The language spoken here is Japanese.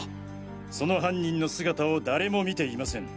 その犯人の姿を誰も見ていません。